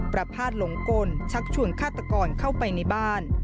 ประพาทหลงกลชักชวนฆาตกรเข้าไปในบ้าน